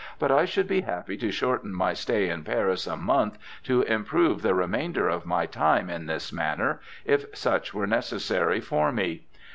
but I should be happy to shorten my stay at Paris a month to improve the re mainder of my time in this manner, if such were neces sary for me.